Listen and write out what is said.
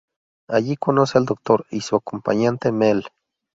Allí, conoce al Doctor y su acompañante Mel.